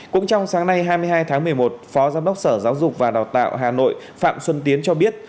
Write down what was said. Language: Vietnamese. cũng trong sáng nay hai mươi hai tháng một mươi một phó giám đốc sở giáo dục và đào tạo hà nội phạm xuân tiến cho biết